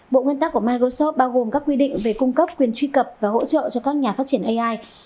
bộ nguyên tắc của microsoft bao gồm các quy định về cung cấp quyền truy cập và hỗ trợ cho các nhà phát triển ai